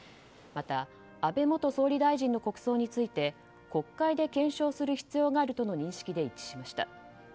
また、安倍元総理大臣の国葬について国会で検証する必要があるとの認識で一致しました。